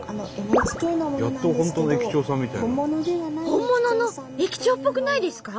本物の駅長っぽくないですか？